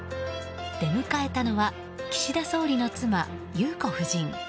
出迎えたのは岸田総理の妻・裕子夫人。